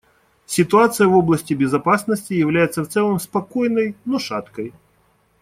Ситуация в области безопасности является в целом спокойной, но шаткой.